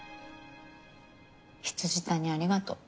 未谷ありがとう。